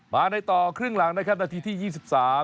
มาในต่อครึ่งหลังนะครับนาทีที่ยี่สิบสาม